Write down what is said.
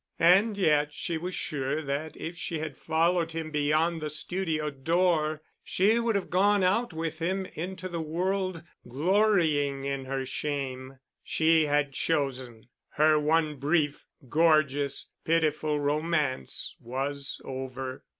And yet she was sure that if she had followed him beyond the studio door, she would have gone out with him into the world, glorying in her shame. She had chosen. Her one brief, gorgeous, pitiful romance was over.